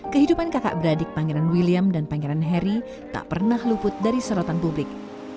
kehidupan kakak beradik pangeran william dan pangeran harry tak pernah luput dari sorotan publik